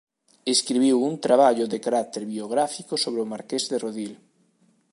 Escribiu un traballo de carácter biográfico sobre o marqués de Rodil.